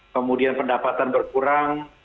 kemudian pendapatan berkurang